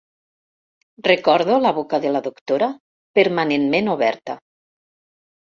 Recordo la boca de la doctora, permanentment oberta.